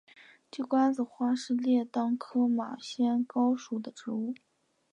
鸡冠子花是列当科马先蒿属的植物。